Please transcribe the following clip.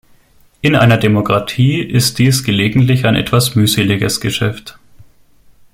In einer Demokratie ist dies gelegentlich ein etwas mühseliges Geschäft.